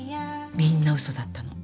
みんなウソだったの。